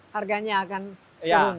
harganya akan turun ya